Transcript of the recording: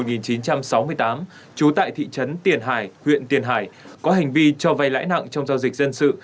trú tại thị trấn tiền hải huyện tiền hải có hành vi cho vay lãi nặng trong giao dịch dân sự